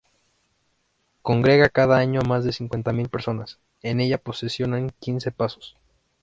Congrega cada año a más de cincuenta mil personas, en ella procesionan quince pasos.